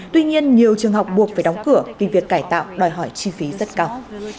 tuy nhiên nhiều trường học buộc phải đóng cửa vì việc cải tạo đòi hỏi chi phí rất cao